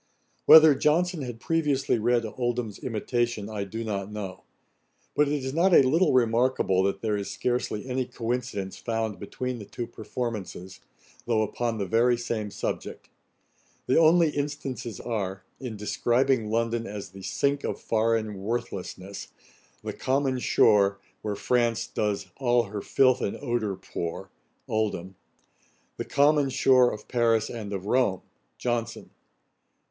Whether Johnson had previously read Oldham's imitation, I do not know; but it is not a little remarkable, that there is scarcely any coincidence found between the two performances, though upon the very same subject. The only instances are, in describing London as the sink of foreign worthlessness: ' the common shore, Where France does all her filth and ordure pour.' OLDHAM. 'The common shore of Paris and of Rome.' JOHNSON.